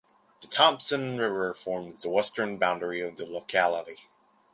The Thomson River forms the western boundary of the locality.